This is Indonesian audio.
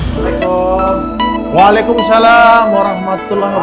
penantu kesayangan mama dateng